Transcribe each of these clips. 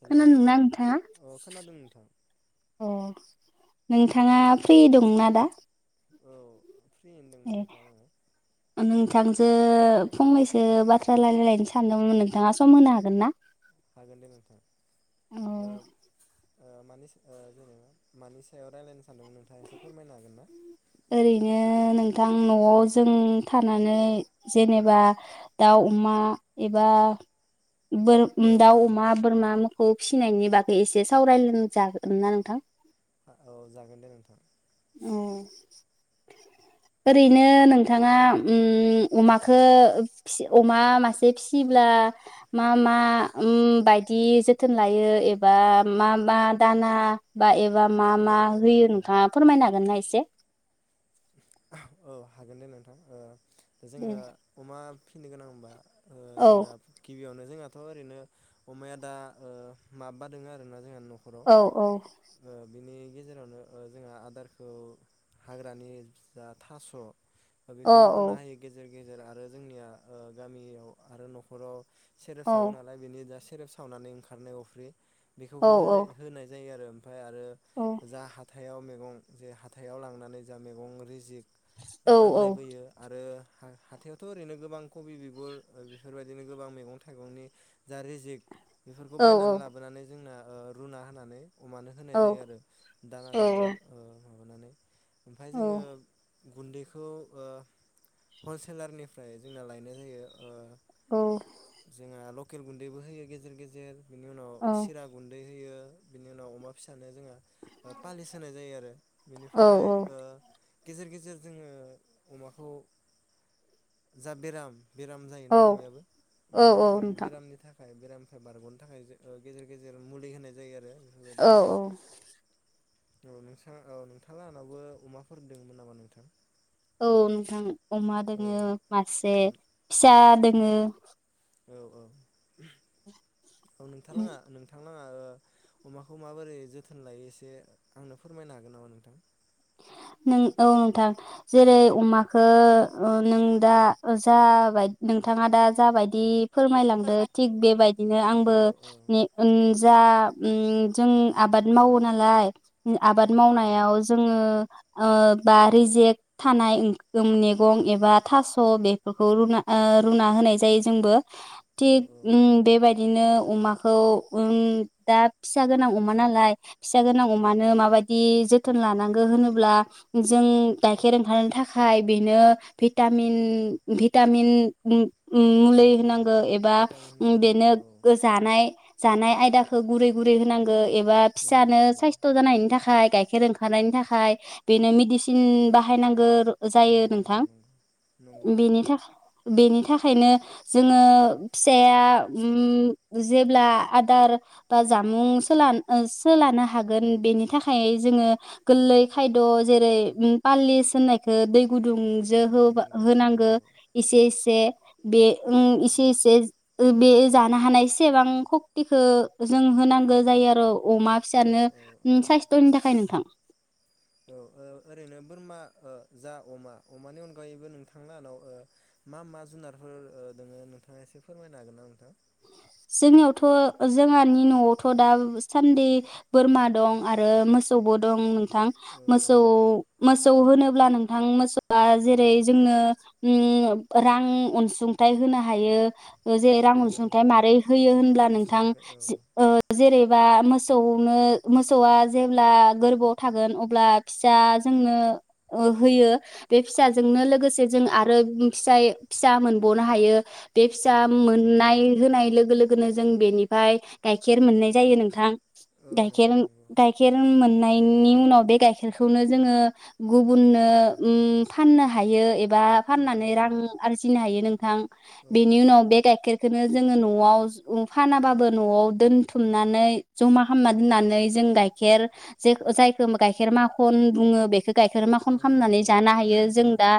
Hello खोनानोना आोंथाङा अ खोनादों नोंथां अ नोंथाङा फ्रि दंना दा औ फ्रि होनदोंमोन नोंथां आङो जो फंनैसो बाथ्रा रायलायलायनो सानदोंमोन नोंथाङा सम होनो हागोन ना हागोन दे नोंथां अ ओ ओ मानि जेनेबा मानि सायाव रायलनो- ओरैनो नों - नथां न'आव जों थानानै जेनेबा दाउ अमा एबा बोर औ औ दाउ अमा बोरमा खौ फिसिनायनि बागै एसे सावरायलाइ जागोन ना नोंथां? औ जागोन दे नोंथां। ओ ओरैनो नोंथाङा ओम अमखौ अमा मासे फिसियोब्ला मा मा ओम बायदि जोथोन लायो एबा मा मा दाना बा एबा मा औ मा औ होयो नंगौ नोंथाङा फोरमायनो हागोन ना एसे? औ हागोन दे नोंथां। जोङो अमा फिनो गोनां होनबा ओ औ जोंहा गिबियावनो जोंहाथ' ओरैनो अमाया दा ओ माबा दङ आरोना। जोंहा न'खराव औ औ ओ बिनि गेजेरावनो जोंहा आदारखौ हाग्रानि जा थास' अ औ बेखौबो रुना होयो गेजेर- गेजेर आरो जोंनिया ओ गामियाव आरो न'खराव सेरेब औ सावो नालाय बेनि सेरेब सावनानै ओंखारनाय अफ्रि औ बेखौबो होनाय होनाय जायो आरो। ओमफ्राय औ आरो जा हाथायाव मैगं जे हाथायाव लांनानै जा मैगं रेजिक औ औ आग्लायबोयो आरो हा-हाथायावथ' ओरैनो गोबां खबि बिगुर बेफोरबायदिनो गोबां मैगं थाइगंनि जा रेजेक बेफोरखौ औ बायनानै औ लाबोनानै जोंना रुना होनानै अमानो होनाय जायो आरो दानाजोंबो ओ माबानानै ओमफाय जोङो गुन्दैखौ ओ हलसेलारनिफ्राय जोंना लायनाय जायो ओ जोंङ आल लकेल गुन्दैबो होयो गेजेर गेजेर बिनि उनाव सिरा गुन्दै होयो बिनि उनाव अमा फिसानो पालिस होनाय जायो आरो औ बेनिफ्राय ओ औ गेजेर गेजेर जोङो अमाखौ जा बेराम बेराम जायोना अमायाबो औ बिनिफ्राय औ नोंथां बेरामनि थाखाय बेरामनिफ्राय बारगनो थाखाय जो ओ गेजेर गेजेर मुलि होनाय जायो आरो औ बेफोरबायदिनो औ औ नोंथां औ नोंथांलाहानावबो अमाफोर नोंगौ नामा नोंथां औ नोंथां अमा औ दोङो औ मासे फिसा द ङो औ औ औ नोंथालाङा नोंथां नाङा ओ अमाखौ माबोरै जोथोन लायो एसे आंनो फोरमायनो हागोन नामा नोंथां नों औ नोंथां जेरै अमाखो ओ नों दा जाबाय नोंथाङा दा जाबाय दि फोरमायलांदों थिग बेबायदिनो आंबो औ औ ने ओ जा ओम जों आबाद मावो नालाय आबाद नंगौ नंगौ मावनायाव ओ ओ बारि जेक थानाय ओंख मैगं एबा थास' बेफोरखौ रुना ओ रुना होनाय जायो जोंबो औ थिक औ ओम बेबायदि बिदिनो अमाखौ ओम दा फिसा गोनां अमा नालाय फिसा गोनां अमानो माबायदि जोथ थोन लानांगौ होनोब्ला जों गाइखेर ओंखारनो थाखाय बेनो भिटामिन भिटामिन ओम ओम मुलि नंगौ होनांगौ नंगौ एबा भिटामिन ओम होनांगौ जायो आरो बेनो औ जानाय जानाय आयदाखौ गुरै गुरै होनांगौ एबा नंगौ फिसानो नंगौ साइस्थ' जानायनि थाखाय गायखेर ओंख खारनायनि थाखाय बेनो मेडिसिन बाहायनांगौ जायो नंगौ नंगौ नोंथां नंगौ नंगौ औ बेनि थाखाय बेनि थाख थाखायनो जोङो फिसाया ओम जेब्ला आदार बा जामुं सोला सोलानो हागोन बेनि थाखाय जोङो गोरलै खायद' जेरै पालिस होननायखौ दै गुदुंजो होबा नंगौ नंगौ होनांगौ नंगौ एसे एसे बे औ ओं इसे इसे ओ बे जानो हानाय सेबां हक्तिखौ जों होनांगौ जायो आरो अमा औ फिसानो औ उम साइस्थ'नि थाखाय नोंथां औ ओ ओरैनो बोरमा ओ जा अमा अमानि अनगायैबो नोंथांलाहानाव ओ मा मा जुनारफोर ओ दोङो नोंथाङा एसे फोरमायनो हागोन ना नोंथां जोंनियावथ' जोंहानि न'आवथ' दा सान्दि बोरमा दं आरो मोसौबो दं नों थां औ औ मोसौ मोस मोसौ होनोब्ला नोंथां मोसौआ जेरै जोंनो ओम रां अनसुंथाइ होनो हायो जे रां नंगौ अनसुं थाय नंगौ मारोरै होयो होनब्ला नोंथां मोसौनिफ्राय औ जे ओ जेरैबा मोस मोसौनो मोसौआ जेब्ला गोरबोआव थागोन अब्ला फिसा जोंनो ओ होयो बे फिसाजोंनो लोगोसे जों आरो फिस फिसा मोनबावनो हायो। बे फिसा नंगौ नंगौ मोननाय [unintelligible] जों बेनिफाय गाइखेर मोननाय जायो नोंथां औ गा नंगौ नंगौ गाइखेर मोननायनि उनाव बे गाइखेरखौनो जोङो ओम गुबुननो फाननो हायो एबा नंगौ फाननानै रां नंगौ आरजिनो हायो नोंथां औ बेनि औ उनाव बे गाइखेरखौनो जोङो न'आव फानाबाबो न'आव दोनथुमनानै जमा खालामना दोननानै जों गाइखेर जे जायखौ गाइखेर माखन बुङो बेखौ गाइखेर माखन नंगौ खालामामनानै नंगौ जानो हायो जों दा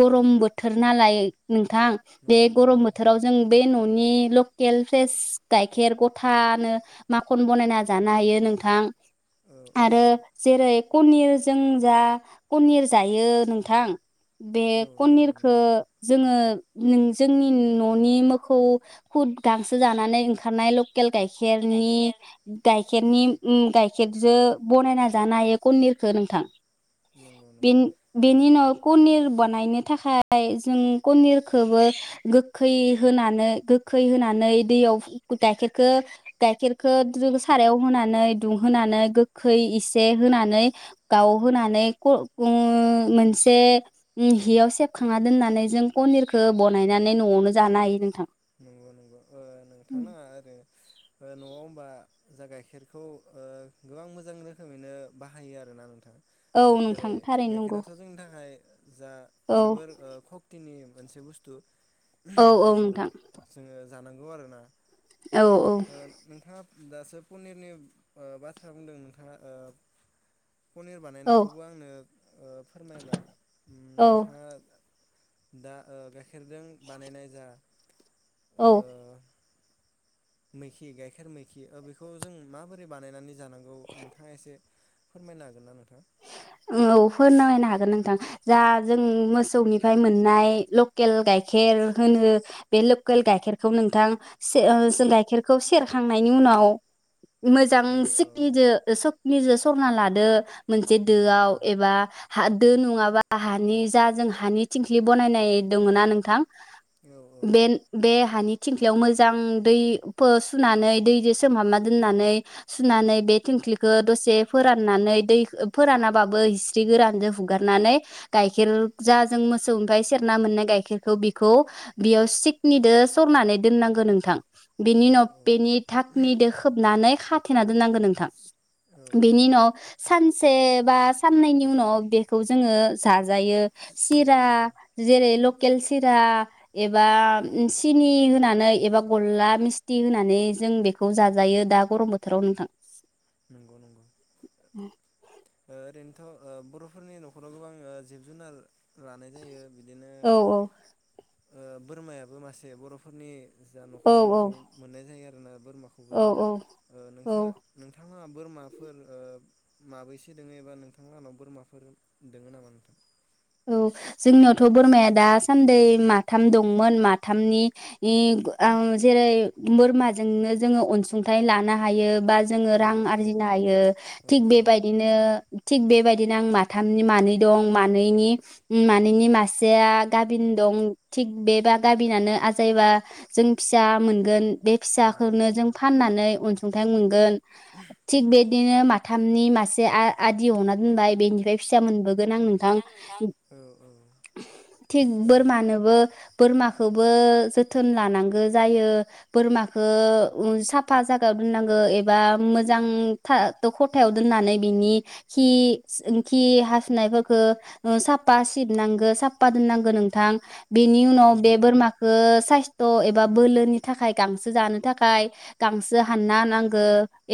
गरम बोथोर नालाय नोंथां उम बे नंगौ गरम नंगौ बोथोराव जों बे न' न'नि लकेल फ्रेस गाइखेर गथानो माखन बानायना जानो हायो नोंथां औ औ आरो जेरै कनिरजों जा पनिर जायो नोंथां। बे औ नंगौ कनिरखौ नंगौ जोङो नों जोंनि न'नि मोखौ खुद गांसो जानानै ओंखारनायल' लकेल गाइखेरनि गाइखेर गाइखेरनि ओम गाइखेरजों बनायना जानो हायो कनिरखौ नोंथां। नंगौ बे नंगौ ओ बेनि नो कनिर बानायनो थाखाय जों कनिरखौबो गोखै होनानै गोखै होनानै दैयाव गाइखेरखौ गाइखेरखौ सारायाव होनानै दुंहोनानै गोखै इसे होनानै गाव होनानै मोनसे हियाव सेबखांना दोननानै जों कनिरखौ बानायनानै न'आवनो जानो हायो नोंथां। [unintelligible] न'आव होमबा जा गाइखेरखौ ओ गोबां मोजां रोखोमैनो बाहायो आर ना नोंथां। औ जेरै नोंथां थारैनो नंगौ गाइखेराथ' जोंनि थाखाय जा औ जोबोर खक्तिनि मोनसे बुस्थु औ औ जायखौ नोंथां। जोङो जानांगौ आरोना। औ ओ नोंथाङा दासो पनिरनि बाथ्रा बुंदों नोंथाङा ओ पनिर औ बानायनायखौबो आंनो ओ फोरमायबाय औ नोंथाङा। दा ओ गाइखेरजों बानायनाय जा औ। ओ मैखि गाइखेर मैखि बेखौ जों माबोरै बानायनानै जानांगौ नोंथाङा एसे फोरमायनो हागोन ना नोंथां। औ फोरमायनो हागोन नोंथां जा जों मोसौनिफ्राय मोननाय लकेल गाइखेर होनो बे लकेल गाइखेरखौ नोंथां से ओ जों गाइखेरखौ सेर खांनायनि उनाव मोजां औ औ सिखिनिदो निजो सरना लादो मोनसे नंगौ दोआव नंगौ एबा हा दो नङाबा हानि जा जों हानि थिंख्लि बानायनाय दङ ना नोंथां? औ बे बे हानि थिंख्लियाव मोजां दै फो सुनानै दैजों सोमहाबना दोननानै सुनानै बे थिंख्लिखौ दसे फोराननानै दै फोरानाबाबो हिस्रि गोरानजों हुगारनानै गाइखेर जाजों मोसौनिफ्राय सेरना मोननाय गाइखेरखौ बेखौ बेयाव सिकनिजों सरनानै दोननांगौ नोंथां। बेनि औ उनाव बेनि थकनिजों खोबनानै खाथेना दोननांगौ नोंथां। औ बेनि उनाव सान से बा साननैनि उनाव बेखौ जोङो जाजायो औ सिरा औ जेरै लकेल सिरा एबा सिनि होनानै एबा गला मिस्थि होनानै जों बेखौ जाजायो दा गरम बोथोराव नोंथां। [unintelligible] ओ ओरैनोथ' ओ बर'फोरनि न'खराव गोबां ओ जिब जुनार लानाय जायो। बिदिनो औ औ ओ बोरमायाबो मासे बर'फोरनि जा औ न'खर औ न'खर मोननाय जायो आरोना बोरमाखौबो औ जोङो। औ ओ औ नोंस्रा नों बोरमाफोर ओ माबैसे दोङो एबा नोंथां लाहानाव बोरमाफोर दङो नामा नोंथां? औ, जोंनियावथ' बोरमाया दासान्दै माथाम दंमोन माथामनि नि [unintelligible] आं जेरै बोरमाजोंनो जोङो अनसुंथाइ लानो हायो बा जो रां नंगौ नंगौ आरजिनो हायो औ थिग गोबां बेबायदिनो थिग बेबाय बिदिनो आं माथामनि मानै दं मानैनि मानैनि मासेया गाबिन दं थिग बेबा गाबिनानो आजायबा जों फिसा मोनगोन। बे नंगौ फिसाखौनो जों नंगौ फाननानै अन सुंथायाइ मोनगोन। थिग बे बिदिनो माथामनि मासे आ आदि हरना दोनबाय बेनिफ्राय फिसा मोनबो गोन आं नोंथां। दों औ औ थिग ओ बोरमानोबो बोर बोरमाखौबो जोथोन लानांगौ जायो। बोरमाखौ साफा जागायाव दोननांगौ एबा मोजां था खथायाव दोननानै बिनि खि खि हासुनायफोरखौ ओ साफा सिबनांगो साफा दोननांगौ नोंथां। बेनि उनाव नंगौ बे नंगौ बोरमाखौ साय सथ' एबा बोलोनि थाखाय गांसो जानो थाखाय गांसो हानना होनांगो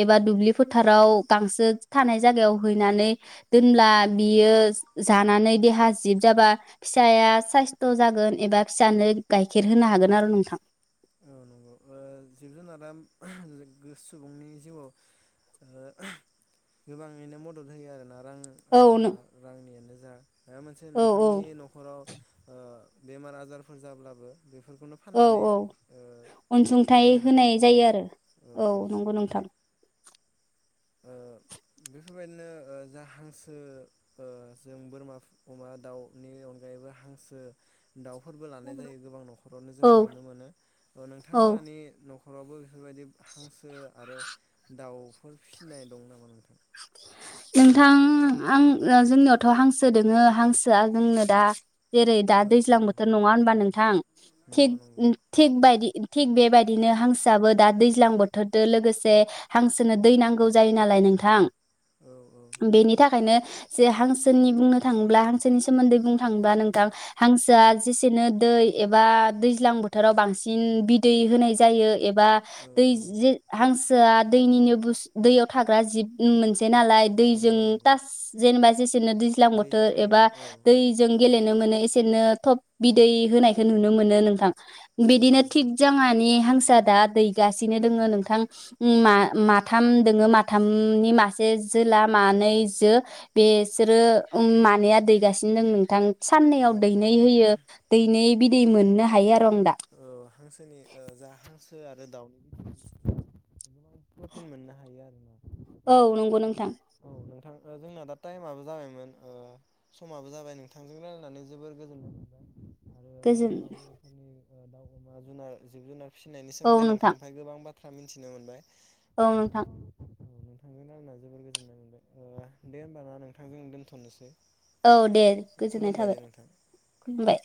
एबा दुब्लि फोथाराव गांसो थानाय जायगायाव हैनानै दोनब्ला बियो जानानै देहा जिब जाबा फिसाया साइस्थ' जागोन एबा फिसानो गाइखेर होनो हागोन आरो नोंथां। औ नंगौ ओ जिब जुनारा सुबुंनि जिउआव ओ गोबाङैनो मदद होयो आरोना? रां ओ औ नो जा रांनियानो जा माबा मोनसे औ औ नोंथांनि न'खराव ओ बेमार आजारफोर जाब्लाबो बेफोरखौनो औ फाननानै औ अनसुंथाइ नायनो हायो होनाय आरोना जायो जों आरो, औ नंगौ नोंथां। ओ बेफोरबायदिनो ओ जा हांसो ओ जों बोरमा अमा दाउनि अनगायैबो हांसो दाउफोरबो लानाय जायो गोबां न'खरावनो औ जोङो नुनो मोनो ओ औ नोंथांलाानि न'ख खरावबो बेफोरबायदि हांसो आरो दाउफोर फिसिनाय दं नामा नोंथां? नोंथां आं ओ जोंनियावथ' हांसो दोङो हांसोआ जोंनो दा जेरै दा औ औ दैज्लां बोथोर नङा होनबा नोंथां नंगौ थिग नंगौ ओं थिग बायदि थिग बेबायदिनो हांसोआबो दा दैज्लां बोथोरदो लोगोसे हांसोनो दै नांगौ जायो नालाय नोंथां। औ औ बेनि थाखायनो जे हांसोनि बुंनो थाङोब्ला हांसोनि सोमोन्दै बुंनो थाङोब्ला नोंथां हांसोआ जेसेनो दै एबा दैज्लां बोथोराव बांसिन बिदै होनाय जायो। एबा औ दै औ जो हांस होआ दैनिनो बुस दैयाव थाग्रा जिब मोनसे [unintelligible] नालाय दैजों नंगौ नंगौ टास जेनेबा दिनो दैज्लां दैजो बोथोर एबा दैयावनो औ दैजों गेले नुनो मोनो एसेनो थब बिदै होनायखौ नुनो मोनो नोंथां। नंगौ बिदिनो थिग नंगौ जोङानि हांसोआ दा दैगासिनो दोङो नोंथां ओम मा-माथाम दोङो माथामनि मासे जे जोला मानै जो बेसोरो ओम मानैया दैगासिनो दों नोंथां। औ साननैयाव औ दैनै होयो दैनै बि दै मोननो हायो आर दं दा। औ हांसोनि ओ जा हांसो आरो दाउ प्रटिन मोननो हायो आरो ना। औ नंगौ नोंथां। जोंना दा टाइमआबो जाबायमोन ओ समाबो जाबाय नोंथांजों रायलायनानै जोबोर गोजोन आरो दाउ गोजोन अमा बर'फोरनि ओ दाउ अमा जुनार जिब जुनार फिसिनायनि सोमोन्दै नोंथां निफाय गोबां बाथ थ्रा मिन्थिनो मोनबाय। औ नोंथां। औ नोंथां जो रायलायना जोबोर गोजोननाय मोनबाय ओ दे होमबा ना नोंथां जों दोनथ'नोसै। औ दे गोजोननाय खुलुमबाय दे थाबाय नोंथां। खुलुमबाय।